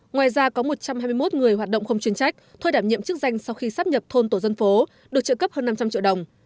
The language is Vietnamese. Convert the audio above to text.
ngoài ra có một trăm hai mươi một người hoạt động không chuyên trách thôi đảm nhiệm chức danh sau khi sắp nhập thôn tổ dân phố được trợ cấp hơn năm trăm linh triệu đồng